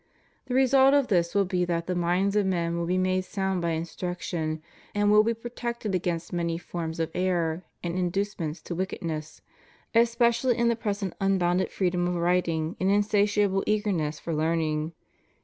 The result of this will be that the minds of men will be made sound by instruction, and will be protected against many forms of error and in ducements to wickedness, especially in the present un bounded freedom of writing and insatiable eagerness for learning.